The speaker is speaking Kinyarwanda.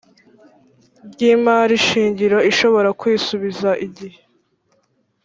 rw imari shingiro ishobora kwisubiza igihe